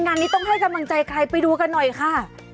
งานนี้ต้องให้กำลังใจใครไปดูกันหน่อยค่ะ